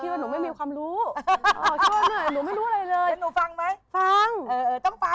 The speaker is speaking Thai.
ต้องฟังแนะ